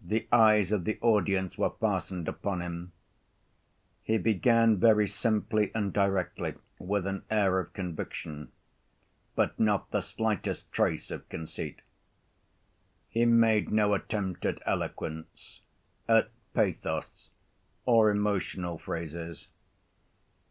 The eyes of the audience were fastened upon him. He began very simply and directly, with an air of conviction, but not the slightest trace of conceit. He made no attempt at eloquence, at pathos, or emotional phrases.